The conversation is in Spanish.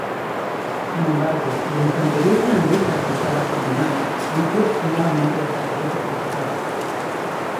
Sin embargo, la infantería irlandesa que estaba condenada luchó obstinadamente hasta que fue sacrificada.